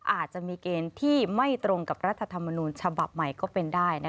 อาจจะมีเกณฑ์ที่ไม่ตรงกับรัฐธรรมนูญฉบับใหม่ก็เป็นได้